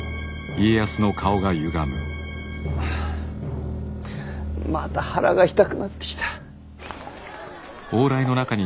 あまた腹が痛くなってきた。